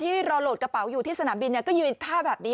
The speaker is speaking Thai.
รอโหลดกระเป๋าอยู่ที่สนามบินก็ยืนท่าแบบนี้